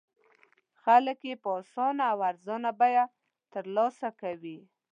خلک یې په اسانه او ارزانه بیه تر لاسه کوي.